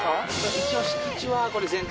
一応敷地はこれ。